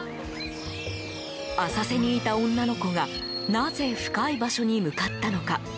浅瀬にいた女の子がなぜ深い場所に向かったのか？